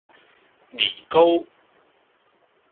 年糕